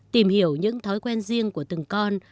tìm hiểu những thói quen riêng của từng con